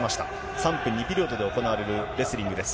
３分２ピリオドで行われるレスリングです。